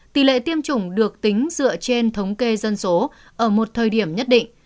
tỷ lệ tiêm chủng được tính dựa trên thống kê dân số ở một thời điểm nhất định